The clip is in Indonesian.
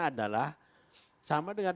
adalah sama dengan